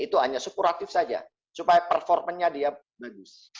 supaya performanya dia bagus